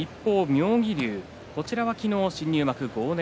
妙義龍昨日、新入幕豪ノ